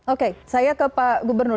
oke saya ke pak gubernur